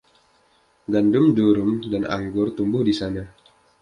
Gandum durum dan anggur tumbuh di sana.